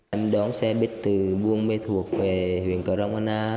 anh đón xe bích từ buông mê thuộc về huyện crong anna